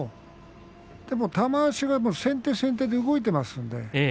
でも、玉鷲は先手先手で動いています。